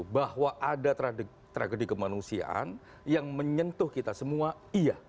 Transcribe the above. bahwa ada tragedi kemanusiaan yang menyentuh kita semua iya